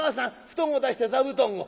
布団を出して座布団を。